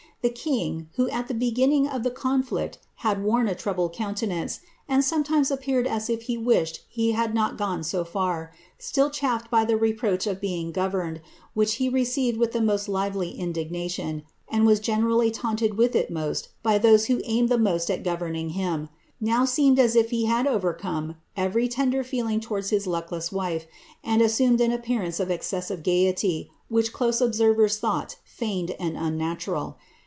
The king, who at the beginning of the conflict had worn a troubled countenance, and sometimes appeared as if he wished he had not gone lo far, till chafed by the reproach of being governed, which he received vilh the most lively indignation, and was generally taunted with it most by those who aimed the most at governing him, now seemed as if he had overcome every tender feeling towards his luckless wife, and assumed an appearance of excessive gaiety, which close observers thought feigned and uunatuml.